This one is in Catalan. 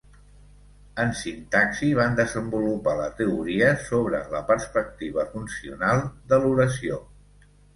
En sintaxi van desenvolupar la teoria sobre la perspectiva funcional de l'oració.